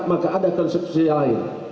maka ada konstitusi lain